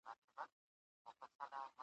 کابینه سرحدي امنیت نه کمزوری کوي.